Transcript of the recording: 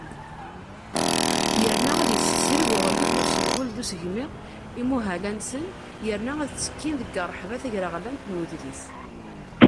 Yerna ad yessisreg Uɣlif n Usedwel d Usegmi imuhal-a-nsen yerna ad ttekkin deg rreḥba tagraɣlant n udlis.